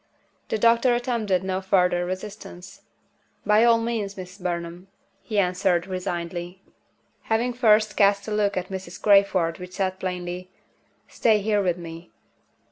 The doctor attempted no further resistance. "By all means, Miss Burnham," he answered, resignedly having first cast a look at Mrs. Crayford which said plainly, "Stay here with me."